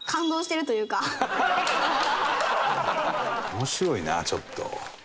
面白いなちょっと。